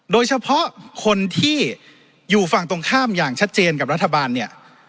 โดยเฉพาะคนที่อยู่ฝั่งตรงข้ามอย่างชัดเจนกับรัฐบาลเนี่ย